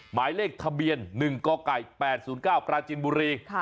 หมายเลขทะเบียน๑๘๐๙กราชินบุรี